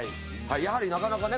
やはりなかなかね